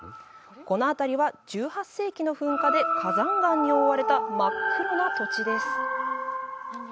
この辺りは、１８世紀の噴火で火山岩に覆われた真っ黒な土地です。